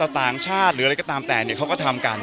ต่างชาติหรืออะไรก็ตามแต่เขาก็ทำกัน